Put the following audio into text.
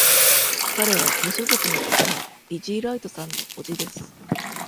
彼は無所属のラッパー、ディジー・ライトさんの叔父です。